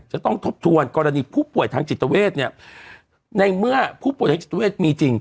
ทบทวนกรณีผู้ป่วยทางจิตเวทเนี่ยในเมื่อผู้ป่วยทางจิตเวทมีจริง